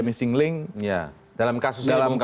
missing link dalam kasus